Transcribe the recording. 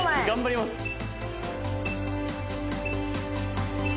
「頑張ります」。